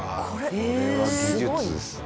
これは技術ですね。